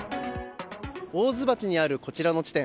大津町にある、こちらの地点。